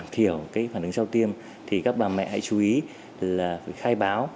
trách nhiệm sau tiêm thì các bà mẹ hãy chú ý là phải khai báo